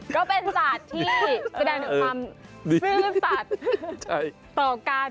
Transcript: ก็เป็นสัตว์ที่แสดงถึงความซื่อสัตว์ต่อกัน